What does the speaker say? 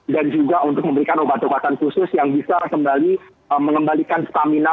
juga untuk memberikan obat obatan khusus yang bisa kembali mengembalikan stamina